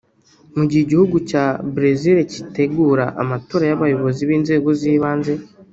Mu gihe igihugu cya Bresil kitegura amatora y’abayobozi b’inzego z’ibanze